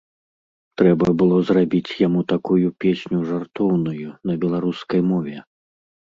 Трэба было зрабіць яму такую песню жартоўную, на беларускай мове.